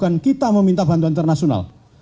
bukan kita meminta bantuan internasional